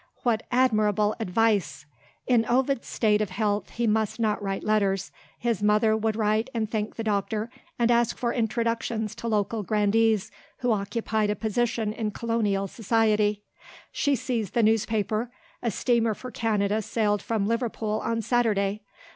what admirable advice! In Ovid's state of health he must not write letters; his mother would write and thank the doctor, and ask for introductions to local grandees who occupied a position in colonial society. She seized the newspaper: a steamer for Canada sailed from Liverpool on Saturday.